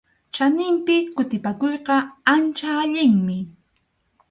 Chaninpi kutipakuyqa ancha allinmi.